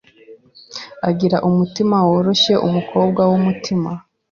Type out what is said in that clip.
agira umutima woroshya, umukobwa w’umutima,